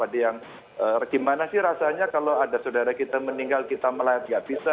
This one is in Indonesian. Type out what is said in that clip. bagaimana rasanya kalau ada saudara kita meninggal kita melihat tidak bisa